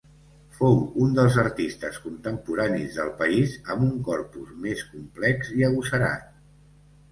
Fou un dels artistes contemporanis del país amb un corpus més complex i agosarat.